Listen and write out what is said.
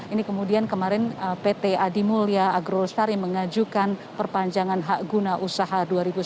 ini kemudian kemarin pt adimulya agro lestari mengajukan perpanjangan hak guna usaha dua ribu sembilan belas dua ribu dua puluh empat